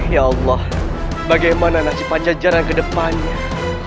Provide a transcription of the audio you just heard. ya allah bagaimana nasib pajajaran ke depannya